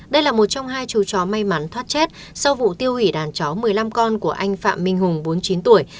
đây là một trong hai chú chó may mắn thoát chết sau vụ tiêu hủy đàn chó một mươi năm con của anh phạm minh hùng bốn mươi chín tuổi